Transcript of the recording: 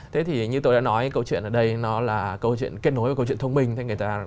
thế thì như tôi đã nói cái câu chuyện ở đây nó là câu chuyện kết nối với câu chuyện thông minh